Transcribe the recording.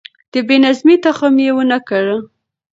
د بې نظمۍ تخم يې ونه کره.